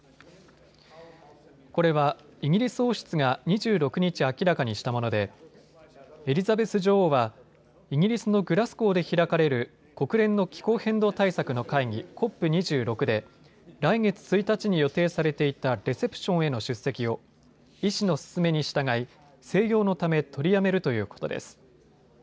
これはイギリス王室が２６日明らかにしたものでエリザベス女王はイギリスのグラスゴーで開かれる国連の気候変動対策の会議、ＣＯＰ２６で来月１日に予定されていたレセプションへの出席を医師の勧めに従い静養のため取りやめるということです。